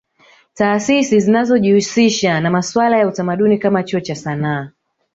Taasisi zinazojihusisha na masuala ya utamadni kama Chuo cha Sanaa